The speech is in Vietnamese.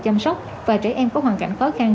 chăm sóc và trẻ em có hoàn cảnh khó khăn